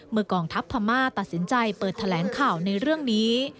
กองทัพพม่าตัดสินใจเปิดแถลงข่าวในเรื่องนี้